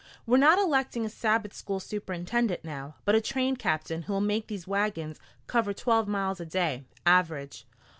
"We're not electing a Sabbath school superintendent now, but a train captain who'll make these wagons cover twelve miles a day, average.